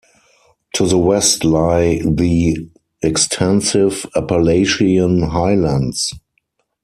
To the west lie the extensive Appalachian highlands.